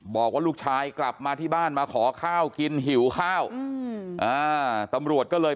บอกว่าลูกชายกลับมาที่บ้านมาขอข้าวกินหิวข้าวตำรวจก็เลย